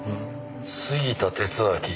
「杉田哲明